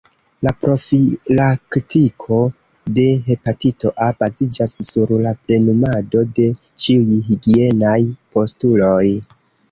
La profilaktiko de hepatito A baziĝas sur la plenumado de ĉiuj higienaj postuloj.